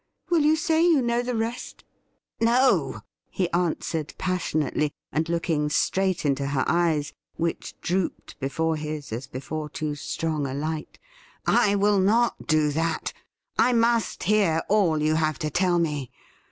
Will you say you know the rest i" 'No,' he answered passionately, and looking straight into her eyes, which drooped before his as before too strong a light, ' I will not do that. I must hear all you have to tell me.